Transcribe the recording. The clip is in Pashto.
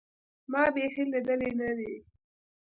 ما بيخي ليدلى نه دى.